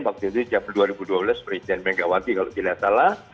waktu itu di tahun dua ribu dua belas presiden bengkawati kalau tidak salah